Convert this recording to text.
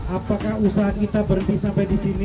apakah usaha kita berhenti sampai di sini